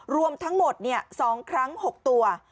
รวมทั้งหมด๒ครั้ง๖ตัว